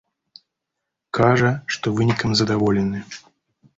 Кажа, што вынікам задаволены.